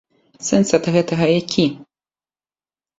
Сэнс ад гэтага які?